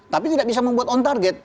tapi tidak bisa membuat on target